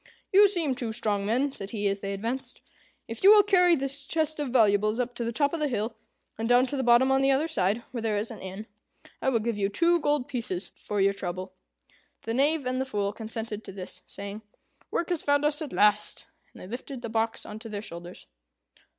"You seem two strong men," said he, as they advanced; "if you will carry this chest of valuables up to the top of the hill, and down to the bottom on the other side, where there is an inn, I will give you two gold pieces for your trouble." The Knave and the Fool consented to this, saying, "Work has found us at last;" and they lifted the box on to their shoulders.